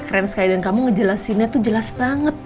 keren sekali dan kamu ngejelasinnya tuh jelas banget